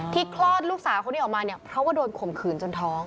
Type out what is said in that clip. คลอดลูกสาวคนนี้ออกมาเนี่ยเพราะว่าโดนข่มขืนจนท้อง